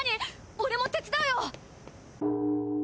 俺も手伝うよ！